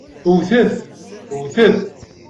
Wwtet! Wwtet!